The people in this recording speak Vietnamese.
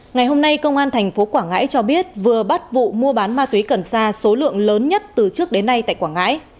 ngày hôm nay công an thành phố quảng ngãi cho biết vừa bắt vụ mua bán ma túy cần xa số lượng lớn nhất từ trước đến nay tại quảng ngãi